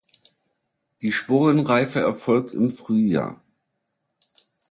Die Sporenreife erfolgt im Frühjahr.